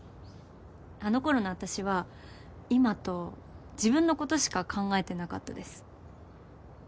あのころのあたしは今と自分のことしか考えてなかったです。